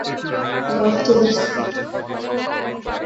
ভাব চোদাস কেন?